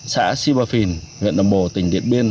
xã sipafin huyện đồng bộ tỉnh điện biên